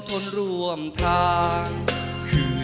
ผมร้องได้ให้ร้อง